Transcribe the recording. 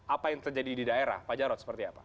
apa yang terjadi di daerah pak jarod seperti apa